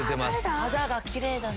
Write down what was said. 肌がきれいだね。